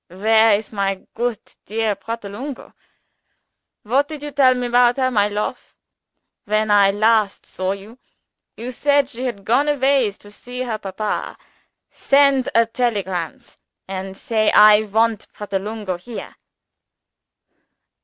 "Where is our goot dear Pratolungo? What did you tell me about her, my little lofe, when I last saw you? You said she had gone aways to see her Papa. Send a telegrams and say I want Pratolungo here."